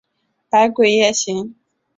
百鬼夜行。